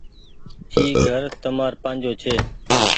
اي گھر تمآر پآجو ڇي۔